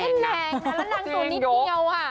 เล่นแรงน่ะแล้วนางสูงนิดเดียวอะ